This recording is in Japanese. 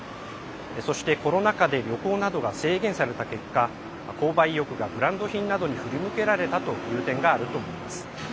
そしてコロナ禍で旅行などが制限された結果購買意欲がブランド品などに振り向けられたという点があると思います。